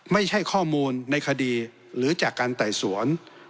ไม่ใช่ข้อมูลในคดีหรือจากการไต่สวน